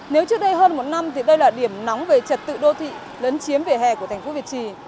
nếu trước đây hơn một năm thì đây là điểm nóng về trật tự đô thị lấn chiếm vỉa hè của thành phố việt trì